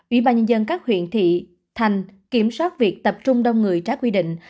ủy ban nhân dân các huyện thị thành kiểm soát việc tập trung đông người trái quy định